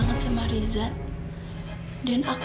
pasti saja kita berbaik ya